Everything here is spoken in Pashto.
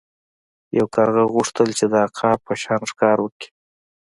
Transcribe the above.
یو کارغه غوښتل چې د عقاب په شان ښکار وکړي.